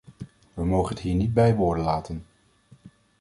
We mogen het hier niet bij woorden laten.